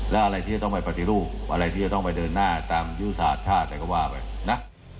แล้วอะไรที่จะต้องไปปฏิรูปอะไรที่จะต้องไปเดินหน้าตามยุทธศาสตร์ชาติอะไรก็ว่าไปนะ